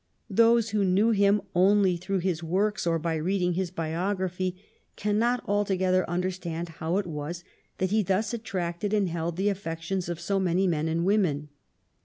Those who know him only through his works or by reading his biography, cannot altogether understand how it was that he thus attracted and held the affections of so many men and women.